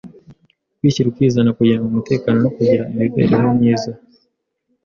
kwishyira ukizana kugira umutekano no kugira imibereho myiza